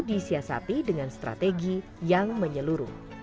disiasati dengan strategi yang menyeluruh